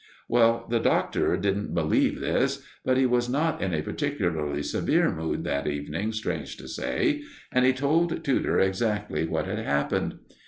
Well, the Doctor didn't believe this; but he was not in a particularly severe mood that evening, strange to say, and he told Tudor exactly what had happened.